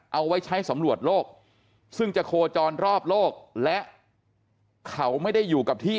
เอาไว้ใช้สำรวจโลกซึ่งจะโคจรรอบโลกและเขาไม่ได้อยู่กับที่